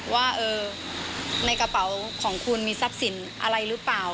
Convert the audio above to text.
ว่าในกระเป๋าของคุณมีทรัพย์สินอะไรหรือเปล่า